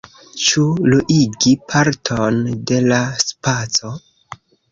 Ĉu luigi parton de la spaco?